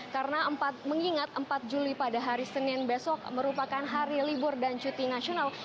karena mengingat empat juli pada hari senin besok merupakan hari libur dan cuti nasional